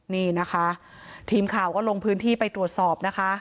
นี่นะคะทีมข่าวก็ลงพื้นที่ไปตรวจสอบนะคะ